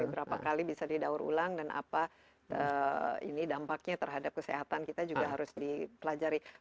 berapa kali bisa didaur ulang dan apa ini dampaknya terhadap kesehatan kita juga harus dipelajari